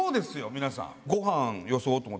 皆さん。